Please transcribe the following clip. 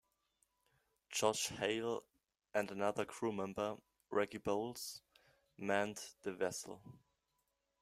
Josh Hayl and another crew member, Reggie Boles manned the vessel.